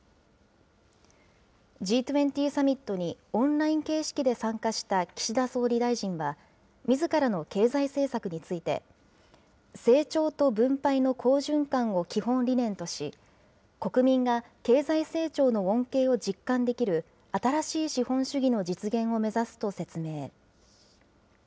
Ｇ２０サミットにオンライン形式で参加した岸田総理大臣は、みずからの経済政策について、成長と分配の好循環を基本理念とし、国民が経済成長の恩恵を実感できる、新しい資本主義の実現を目指すと説明。